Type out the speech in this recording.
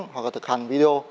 hoặc là thực hành video